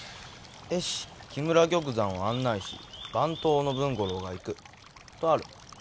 「絵師木村玉山を案内し番頭の文五郎が行く」とある。